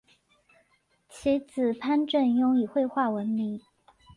其子潘振镛以绘画闻名。